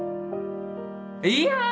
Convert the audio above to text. いや！